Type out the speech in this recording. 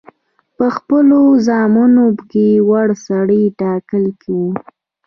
په خپلو زامنو کې وړ سړی ټاکلی وو.